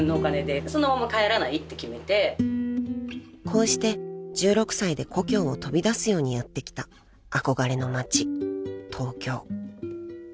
［こうして１６歳で故郷を飛び出すようにやって来た憧れの街東京］